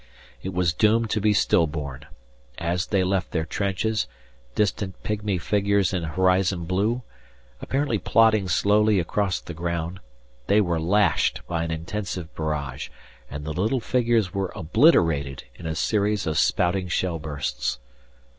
It was doomed to be still born. As they left their trenches, distant pigmy figures in horizon blue, apparently plodding slowly across the ground, they were lashed by an intensive barrage and the little figures were obliterated in a series of spouting shell bursts.